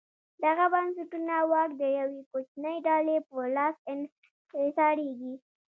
دغه بنسټونه واک د یوې کوچنۍ ډلې په لاس انحصاروي.